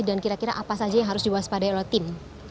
dan kira kira apa saja yang harus diwaspadai oleh tim